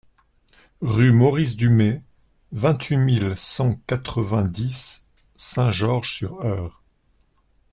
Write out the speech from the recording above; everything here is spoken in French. Rue Maurice Dumais, vingt-huit mille cent quatre-vingt-dix Saint-Georges-sur-Eure